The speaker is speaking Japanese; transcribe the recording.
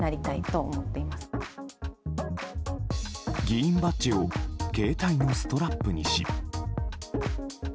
議員バッジを携帯のストラップにし。